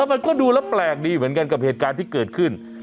มันก็ดูแล้วแปลกดีเหมือนกันกับเหตุการณ์ที่เกิดขึ้น